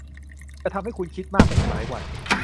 จะทำให้คุณคิดมากไปอีกหลายวัน